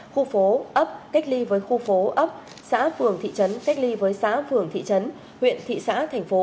khu phố ấp cách ly với khu phố ấp xã phường thị trấn cách ly với xã phường thị trấn huyện thị xã thành phố